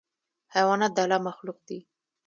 حیوانات د الله مخلوق دي.